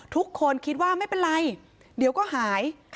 ทุกคนคิดว่าไม่เป็นไรเดี๋ยวก็หาย